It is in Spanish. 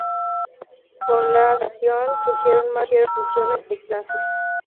Con la subyugación surgieron más distinciones de clases.